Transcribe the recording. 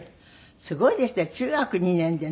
すごいですね中学２年でね。